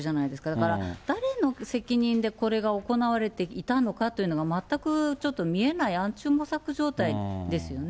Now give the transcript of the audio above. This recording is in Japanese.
だからだれの責任で、これが行われていたのかっていうのが、全くちょっと見えない、暗中模索状態ですよね。